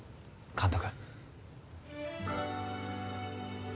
監督。